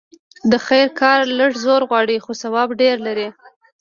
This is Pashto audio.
د خير کار لږ زور غواړي؛ خو ثواب ډېر لري.